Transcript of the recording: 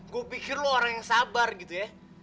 gue pikir lo orang yang sabar gitu ya